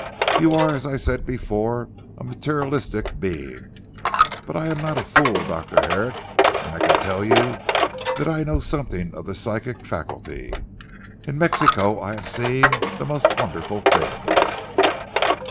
you are as I said before, a materialistic being. But I am not a fool Dr. Herrick, and I can tell you that I know something of the psychic faculty. In Mexico I have seen the most wonderful things."